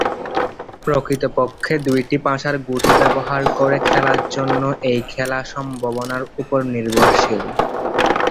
প্রকৃতপক্ষে দুইটি পাশার গুটি ব্যবহার করে খেলার জন্য এই খেলা সম্ভাবনার ওপর নির্ভরশীল।